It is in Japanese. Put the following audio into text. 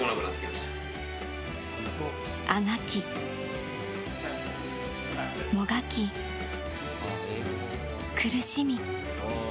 あがき、もがき、苦しみ。